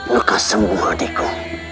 luka sembuh adikku